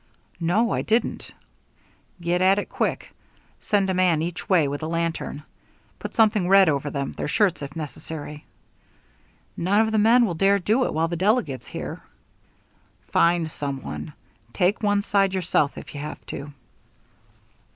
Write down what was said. "No, I didn't." "Get at it quick send a man each way with a lantern put something red over them, their shirts if necessary." "None of the men will dare do it while the delegate's here." "Find some one take one side yourself, if you have to."